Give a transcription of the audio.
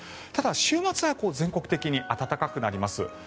ただ週末は全国的に暖かくなります。